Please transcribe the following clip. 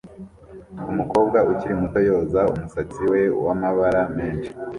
Umukobwa ukiri muto yoza umusatsi we wamabara menshi